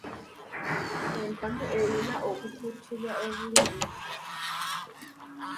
Entamu erina okukuutibwa obulungi.